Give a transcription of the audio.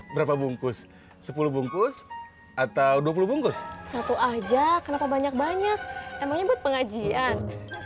berapa bungkus sepuluh bungkus atau dua puluh bungkus satu aja kenapa banyak banyak emangnya buat pengajian